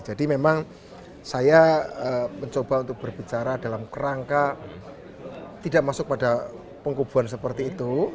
jadi memang saya mencoba untuk berbicara dalam rangka tidak masuk pada pengkuburan seperti itu